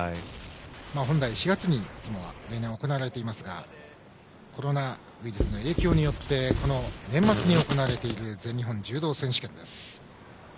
本来、４月に例年は行われていますがコロナウイルスの影響によって年末に行われている全日本柔道選手権です。